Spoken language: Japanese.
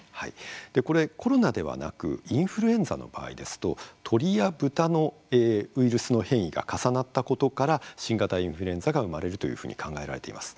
これ、コロナではなくインフルエンザの場合ですと鳥や豚のウイルスの変異が重なったことから新型インフルエンザが生まれるというふうに考えられています。